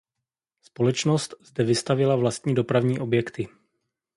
Společnost zde vystavěla vlastní dopravní objekty.